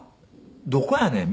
どこやねん」